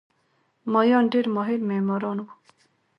مایان ډېر ماهر معماران وو.